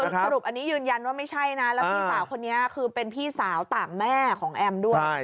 สรุปอันนี้ยืนยันว่าไม่ใช่นะแล้วพี่สาวคนนี้คือเป็นพี่สาวต่างแม่ของแอมด้วย